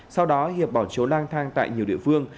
sau đó hiệp bỏ trốn lang thang tại nhiều địa phương